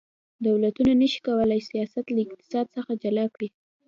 دولتونه نشي کولی سیاست له اقتصاد څخه جلا کړي